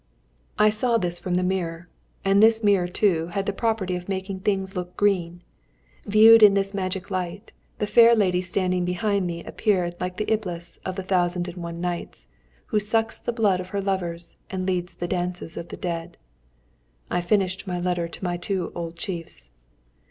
I saw this from the mirror. And this mirror, too had the property of making things look green. Viewed in this magic light, the fair lady standing behind me appeared like the Iblis of the Thousand and one Nights, who sucks the blood of her lovers and leads the dances of the dead. I finished the letter to my old chiefs.